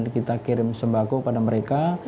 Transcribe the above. kita kirim sembako pada mereka